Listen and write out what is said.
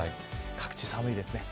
各地、寒いですね。